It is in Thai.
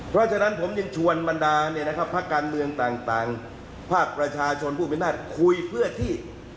เพราะฉะนั้นผมยังชวนบรรดาภาคการเมืองต่างภาคประชาชนผู้เป็นนาศคุยเพื่อที่